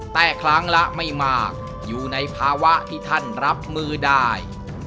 แต่ครั้งละไม่มากอยู่ในภาวะที่ท่านรับมือได้